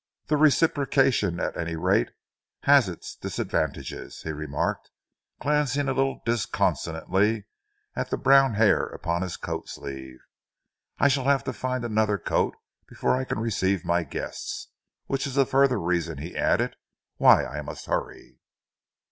"The reciprocation, at any rate, has its disadvantages," he remarked, glancing a little disconsolately at the brown hairs upon his coat sleeve. "I shall have to find another coat before I can receive my guests which is a further reason," he added, "why I must hurry."